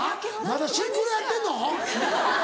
まだシンクロやってんの？